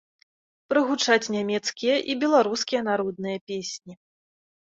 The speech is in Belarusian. Прагучаць нямецкія і беларускія народныя песні.